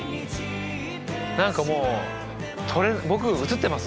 何かもう僕映ってます？